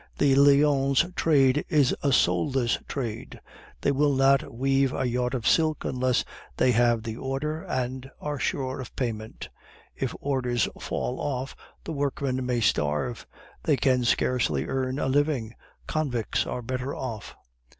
The Lyons trade is a soulless trade. They will not weave a yard of silk unless they have the order and are sure of payment. If orders fall off; the workmen may starve; they can scarcely earn a living, convicts are better off.